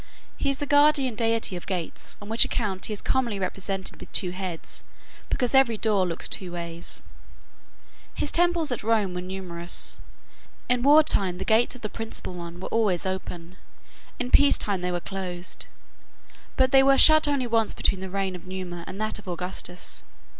He is the guardian deity of gates, on which account he is commonly represented with two heads, because every door looks two ways. His temples at Rome were numerous. In war time the gates of the principal one were always open. In peace they were closed; but they were shut only once between the reign of Numa and that of Augustus.